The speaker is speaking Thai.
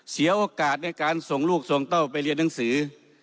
เสียโอกาสในการส่งลูกส่งเต้าไปเรียนหนังสือ